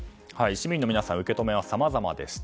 市民の皆さん受け止めはさまざまでした。